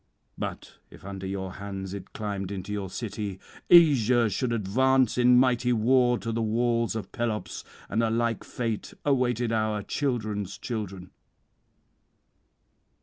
But if under your hands it climbed into your city, Asia should advance in mighty war to the walls of Pelops, and a like fate awaited our children's children."